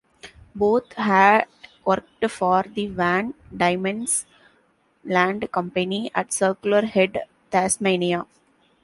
Both had worked for the Van Diemen's Land Company at Circular Head, Tasmania.